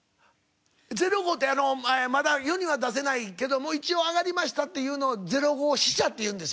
０号ってまだ世には出せないけども一応上がりましたっていうのを０号試写って言うんですよ。